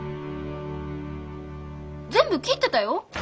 全部聞いてたよ。